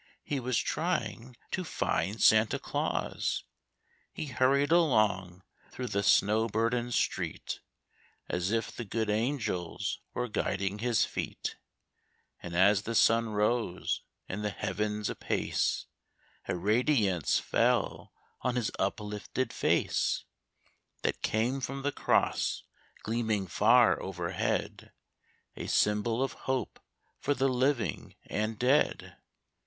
he was trying to find Santa Claus. He hurried along through the snow burdened street As if the good angels were guiding his feet; And as the sun rose in the heavens apace, A radiance fell on his uplifted face That came from the cross gleaming far overhead A symbol of hope for the living and dead.